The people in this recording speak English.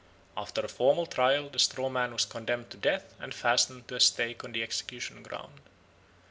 After a formal trial the straw man was condemned to death and fastened to a stake on the execution ground.